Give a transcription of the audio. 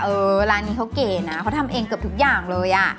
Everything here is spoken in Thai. ร้านนี้เขาเก๋นะเขาทำเองเกือบทุกอย่างเลยอ่ะ